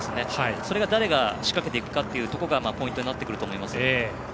それが誰が仕掛けていくかというところがポイントになってくると思います。